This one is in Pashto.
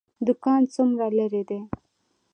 دکان څومره لرې دی؟